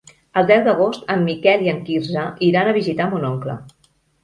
El deu d'agost en Miquel i en Quirze iran a visitar mon oncle.